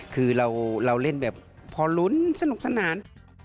คือเราเล่นแบบพอลุ้นสนุกสนาน